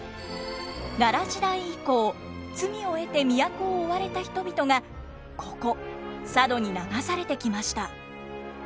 奈良時代以降罪を得て都を追われた人々がここ佐渡に流されてきました。